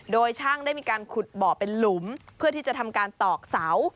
โดยช่างได้มีการขุดบ่อเป็นหลุมเพื่อที่จะทำการตอกเสา